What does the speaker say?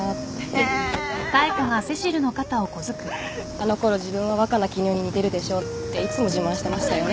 あのころ自分は若菜絹代に似てるでしょっていつも自慢してましたよね。